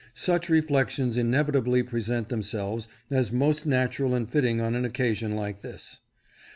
Such reflections inevi tably present themselves as most natural and fitting on an occasion like this.